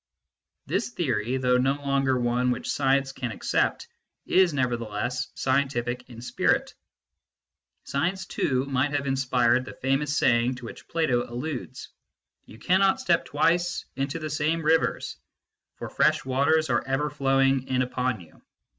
This theory, though no longer one which science can accept, is nevertheless scientific in spirit. Science, too, might have inspired the famous saying to which Plato alludes :" You cannot step twice into the same rivers ; for fresh waters are ever flowing in upon you."